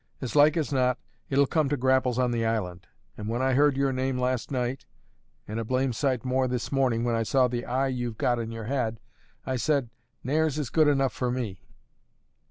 As like as not, it'll come to grapples on the island; and when I heard your name last night and a blame' sight more this morning when I saw the eye you've got in your head I said, 'Nares is good enough for me!'"